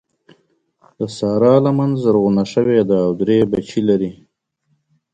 د سارا لمن زرغونه شوې ده او درې بچي لري.